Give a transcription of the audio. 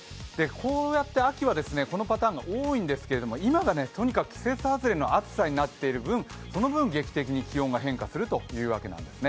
こうやって秋はこのパターンが多いんですけれども今がとにかく季節外れの暑さになっている分、劇的に気温が変化するということなんです。